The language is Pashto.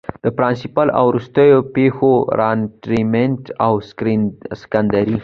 د پرنسپل او وروستو پيښورانټرميډيټ او سکنډري